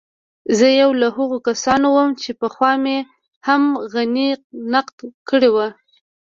زه يو له هغو کسانو وم چې پخوا مې هم غني نقد کړی و.